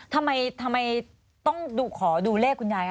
ทำไมต้องขอดูเลขคุณยาย